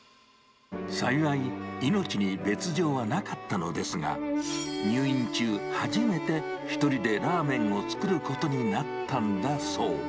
幸い、命に別状はなかったのですが、入院中、初めて１人でラーメンを作ることになったんだそう。